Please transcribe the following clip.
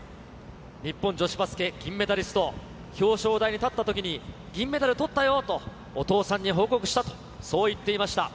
日本女子バスケ銀メダリスト、表彰台に立ったときに、銀メダルとったよと、お父さんに報告したと、そう言っていました。